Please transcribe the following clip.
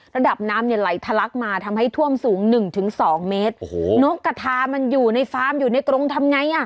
ระดับน้ำเนี่ยไหลทะลักมาทำให้ท่วมสูงหนึ่งถึงสองเมตรโอ้โหนกกระทามันอยู่ในฟาร์มอยู่ในกรงทำไงอ่ะ